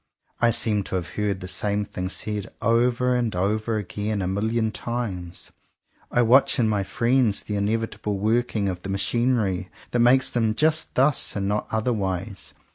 I seem to have heard the same thing said over and over again a million times. I watch in my friends the inevitable working of the machinery that makes theipi just thus and not otherwise.